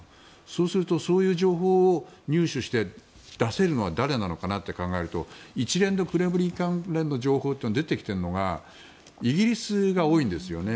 そうするとそういう情報を入手して出せるのは誰なのかなって考えると一連のクレムリン関連の情報で出てきているのがイギリスが多いんですよね。